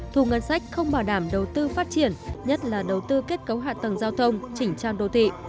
thu ngân sách không bảo đảm đầu tư phát triển nhất là đầu tư kết cấu hạ tầng giao thông chỉnh trang đô thị